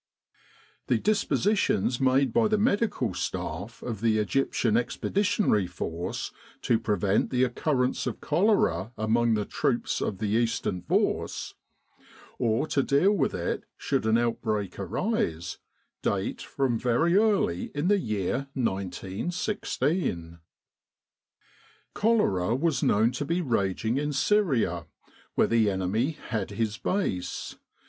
The dispositions made by the Medical Staff of the E.E.F. to prevent the occurrence of cholera among With the R.A.M.C. in Egypt the troops of the Eastern Force, or to deal with it should an outbreak arise, date from very early in the year 1916. Cholera was known to be raging in Syria, where the enemy had his base.